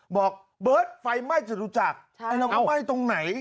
บอกเบิร์ตไฟไหม้จรุจักรไหม้ตรงไหน